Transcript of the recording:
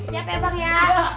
iya pebang ya